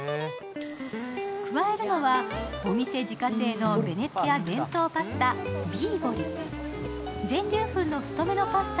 加えるのはお店自家製のベネチア伝統パスタ。